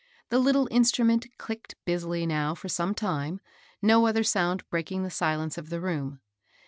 The little instrument "clicked" busily now for some time, no other sound breaking the silence of the room.